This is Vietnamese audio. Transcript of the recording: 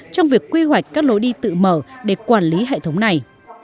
trong việc quy hoạch các lối đi tự mở để quản lý hệ thống này